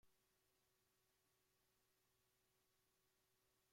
Esta canción suena durante el episodio.